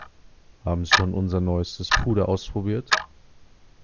Haben Sie schon unser neuestes Puder ausprobiert?